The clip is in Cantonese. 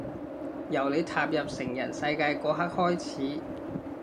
由你踏入成人世界嗰刻開始